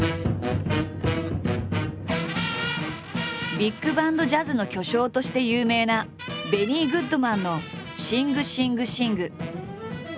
ビッグバンド・ジャズの巨匠として有名なベニー・グッドマンの「シング・シング・シング」。